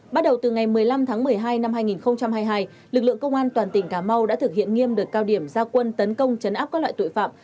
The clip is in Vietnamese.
bắt đầu từ ngày một mươi năm tháng một mươi hai năm hai nghìn hai mươi hai lực lượng công an toàn tỉnh cà mau đã thực hiện nghiêm được cao điểm gia quân tấn công chấn áp các loại tội phạm